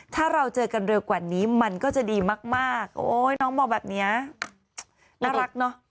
ถ้าเราเจอกันเร็วกว่านี้มันก็จะดีมากโอ๊ยน้องมองแบบเนี้ยน่ารักเนอะ